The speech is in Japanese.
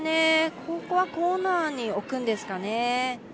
ここはコーナーに置くんですかね。